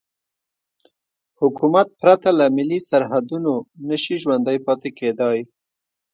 حکومت پرته له ملي سرحدونو نشي ژوندی پاتې کېدای.